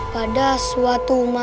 pada suatu malam